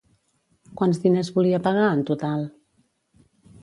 Quants diners volia pagar, en total?